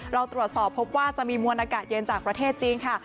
เราตรวจสอบพบว่าจะมีมวลอากาศเย็นจากประเทศจีนค่ะ